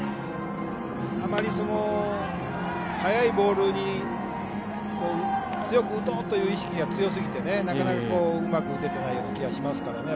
あまり、速いボールに強く打とうという意識が強すぎて、なかなかうまく打ててない気がしますからね。